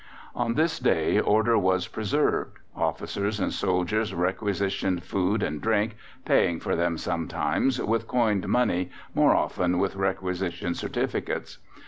On this day order was preserved: officers and soldiers requisitioned food and drink, paying for them sometimes with coined money, more often with requisition certificates.